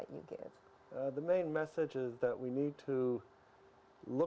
saya sangat menggembirakan sekolah